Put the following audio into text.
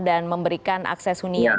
dan memberikan akses hunian